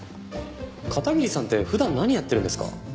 片桐さんって普段何やってるんですか？